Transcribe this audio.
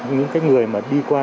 những người đi qua